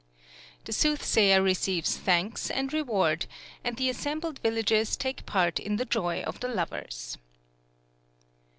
The soothsayer receives thanks and reward, and the assembled villagers take part in the joy of the lovers.